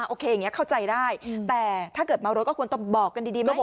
โอเคอย่างนี้เข้าใจได้แต่ถ้าเกิดเมารถก็ควรต้องบอกกันดีมาก